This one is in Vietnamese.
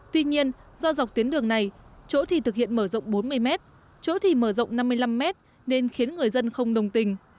tuy nhiên do dọc tuyến đường này chỗ thì thực hiện mở rộng bốn mươi mét chỗ thì mở rộng năm mươi năm mét nên khiến người dân không đồng tình